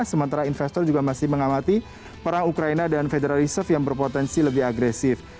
sementara investor juga masih mengamati perang ukraina dan federal reserve yang berpotensi lebih agresif